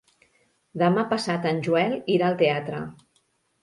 Demà passat en Joel irà al teatre.